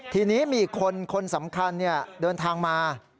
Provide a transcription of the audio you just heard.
ทีนี้มีคนคนสำคัญเดินทางมา